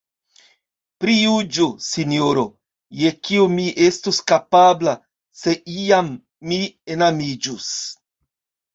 Prijuĝu, sinjoro, je kio mi estus kapabla, se iam mi enamiĝus!